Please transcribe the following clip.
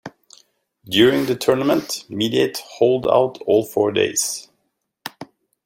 During the tournament, Mediate holed out all four days.